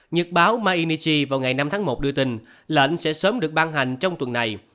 nhật báo mainichi vào ngày năm tháng một đưa tình lệnh sẽ sớm được ban hành trong tuần này